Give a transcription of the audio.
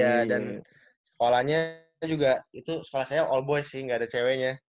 iya dan sekolahnya juga itu sekolah saya all boy sih nggak ada ceweknya